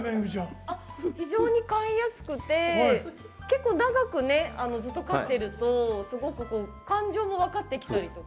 非常に飼いやすくて長く飼ってるとすごく感情も分かってきたりとか。